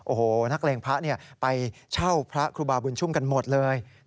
โอ้โหนักเลงพระไปเช่าพระครูบาบุญชุ่มกันหมดเลย